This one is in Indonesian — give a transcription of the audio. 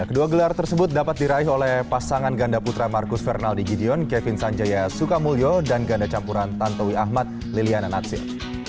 kedua gelar tersebut dapat diraih oleh pasangan ganda putra marcus fernaldi gideon kevin sanjaya sukamulyo dan ganda campuran tantowi ahmad liliana natsir